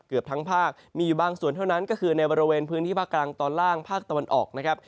เกือบทั้งภาคมีอยู่บางส่วนเท่านั้นก็คือในบริเวณพื้นที่ภาคกลางตอนล่างภาคตะวันออกนะครับ